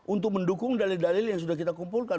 untuk mendukung dalil dalil yang sudah kita kumpulkan